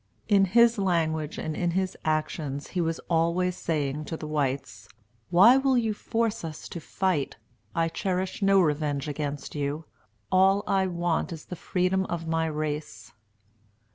In his language and in his actions he was always saying to the whites, "Why will you force us to fight? I cherish no revenge against you. All I want is the freedom of my race."